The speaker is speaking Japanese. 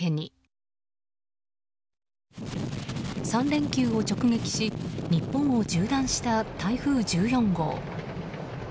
３連休を直撃し日本を縦断した台風１４号。